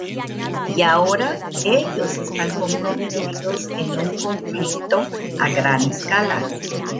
Y ahora ellos están comprometidos en un conflicto a gran escala.